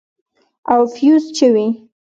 او فيوز چوي.